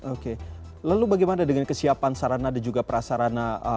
oke lalu bagaimana dengan kesiapan sarana dan juga prasarana